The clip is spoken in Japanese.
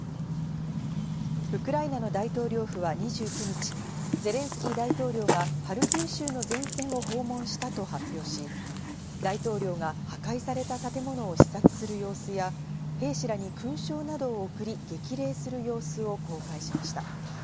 ウクライナの大統領府は２９日、ゼレンスキー大統領がハルキウ州の前線を訪問したと発表し、大統領が破壊された建物を視察する様子や兵士らに勲章などを贈り、激励する様子を公開しました。